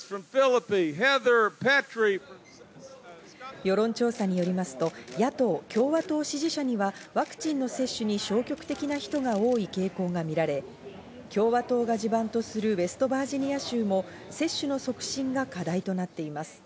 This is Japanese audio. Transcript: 世論調査によりますと、野党・共和党支持者にはワクチンの接種に消極的な人が多い傾向がみられ、共和党が地盤とするウェストバージニア州も接種の促進が課題となっています。